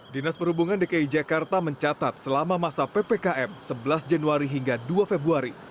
dinas perhubungan dki jakarta mencatat selama masa ppkm sebelas januari hingga dua februari